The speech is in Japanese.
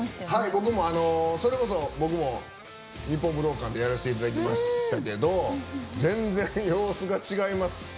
僕もそれこそ日本武道館でやらせていただきましたけど全然様子が違います